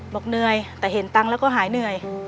บอกเหนื่อยแต่เห็นตังค์แล้วก็หายเหนื่อย